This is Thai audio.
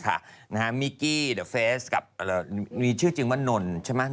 ว่าไงมิกกี้มีชื่อจริงว่านนใช่มั้ย